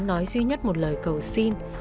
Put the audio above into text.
nói duy nhất một lời cầu xin